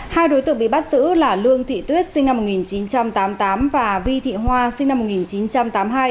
hai đối tượng bị bắt giữ là lương thị tuyết sinh năm một nghìn chín trăm tám mươi tám và vi thị hoa sinh năm một nghìn chín trăm tám mươi hai